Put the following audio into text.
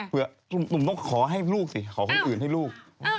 หนูต้องขอลูกสิขอคนอื่นให้ลูก